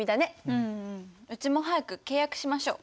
うちも早く契約しましょう。